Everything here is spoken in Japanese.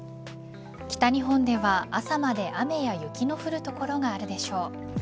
北日本では朝まで雨や雪の降る所があるでしょう。